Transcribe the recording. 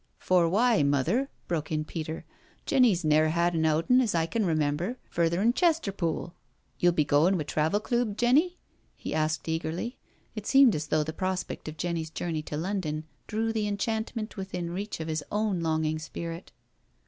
••For why. Mother? broke in Peter. "Jenny's ne'er had an outin*, as I can remember, further'n Ches terpool. You*ll be goin* wi* Travel Cloob, Jenny? he asked eagerly. It seemed as though the prospect of Jenny's journey to London drew the enchantment within reach of his own longing spirit.